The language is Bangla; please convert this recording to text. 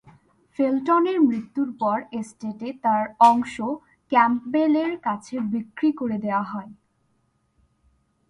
ফেলটনের মৃত্যুর পর এস্টেটে তার অংশ ক্যাম্পবেলের কাছে বিক্রি করে দেওয়া হয়।